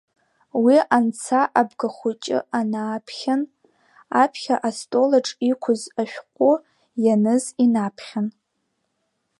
Уи анца абгахәыҷы аанаԥхьан, аԥхьа астолаҿ иқәыз ашәҟәы ианыз инаԥхьан…